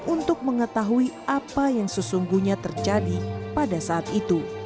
untuk mengetahui apa yang sesungguhnya terjadi pada saat itu